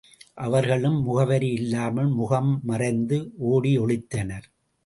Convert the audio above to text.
அவர்களும் முகவரி இல்லாமல் முகம் மறைந்து ஒடி ஒளித்தனர்.